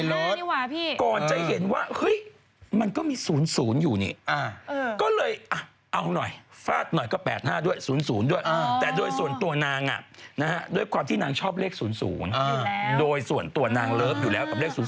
รองเหมือนลูบีรถอ๋อมันไม่ออก๘๕นี่ว่าพี่อ๋อนึงเหมือนสักอย่าง